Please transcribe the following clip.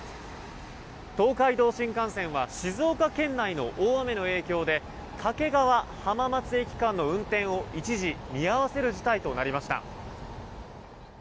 東海道新幹線は静岡県内の大雨の影響で掛川浜松駅間の運転を一時見合わせる事態となりました。